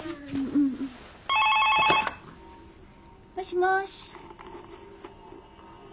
☎☎もしもし。